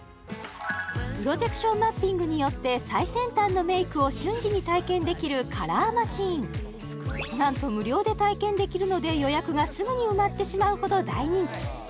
プロジェクションマッピングによって最先端のメイクを瞬時に体験できるＣＯＬＯＲＭＡＣＨＩＮＥなんと無料で体験できるので予約がすぐに埋まってしまうほど大人気